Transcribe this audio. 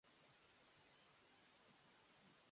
今日は夜更かしします